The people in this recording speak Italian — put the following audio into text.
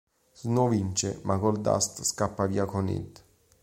Snow vince ma Goldust scappa via con Head.